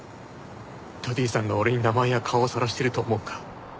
ダディさんが俺に名前や顔をさらしてると思うか？